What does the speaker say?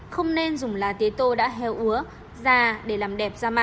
không nên dùng lá tế tô đã heo úa già để làm đẹp da